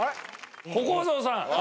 小公造さん。